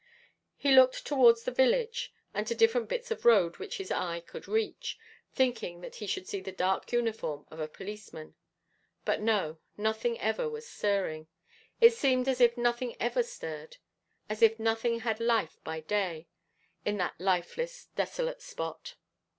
He looked towards the village, and to different bits of road which his eye could reach, thinking that he should see the dark uniform of a policeman; but no, nothing ever was stirring it seemed as if nothing ever stirred as if nothing had life by day, in that lifeless, desolate spot.